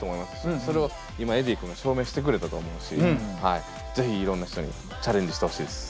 それを今ｅｄｈｉｉｉ君は証明してくれたと思うし是非いろんな人にチャレンジしてほしいです。